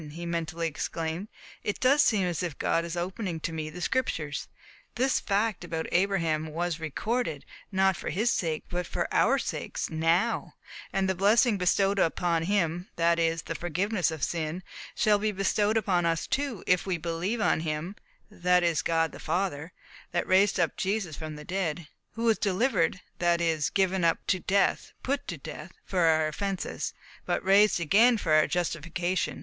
he mentally exclaimed. "It does seem as if God is opening to me the scriptures. This fact, about Abraham, was recorded not for his sake, but FOR OUR SAKES now. And the blessing bestowed on him (that is, the forgiveness of sin), shall be bestowed on us too, 'if we believe on Him (that is, God the Father), that raised up Jesus from the dead, who was delivered (that is, given up to death put to death) for our offences, but raised again for our justification.